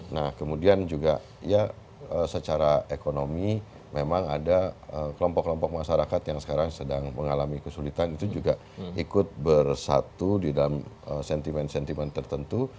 nah kemudian juga ya secara ekonomi memang ada kelompok kelompok masyarakat yang sekarang sedang mengalami kesulitan itu juga ikut bersatu di dalam sentimen sentimen tertentu